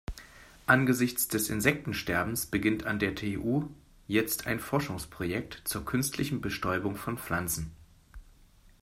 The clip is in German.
Angesichts des Insektensterbens beginnt an der TU jetzt ein Forschungsprojekt zur künstlichen Bestäubung von Pflanzen.